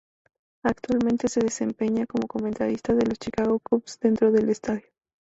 Actualmente se desempeña como comentarista de los Chicago Cubs dentro del estadio.